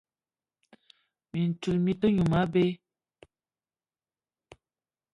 Mintchoul mi-te noum abé.